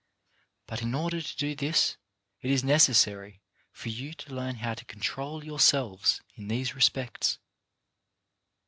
But in order to do this it is necessary for you to learn how to control yourselves in these respects.